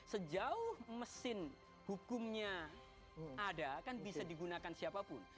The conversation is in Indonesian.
sejauh mesin hukumnya ada kan bisa digunakan siapapun